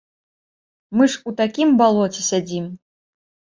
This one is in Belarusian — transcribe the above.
Мы ж у такім балоце сядзім.